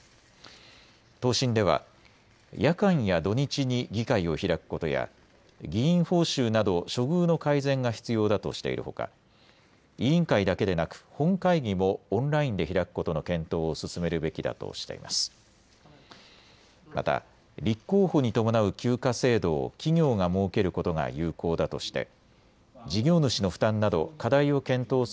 答申では夜間や土日に議会を開くことや議員報酬など処遇の改善が必要だとしているほか委員会だけでなく本会議もオンラインで開くことの検討を進めるべきだとしています。